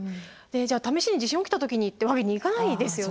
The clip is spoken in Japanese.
じゃあ試しに地震起きた時にってわけにいかないですよね